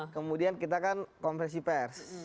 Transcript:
kemudian kita kan konversi pers